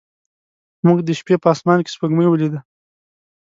موږ د شپې په اسمان کې سپوږمۍ ولیده.